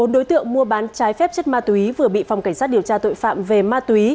bốn đối tượng mua bán trái phép chất ma túy vừa bị phòng cảnh sát điều tra tội phạm về ma túy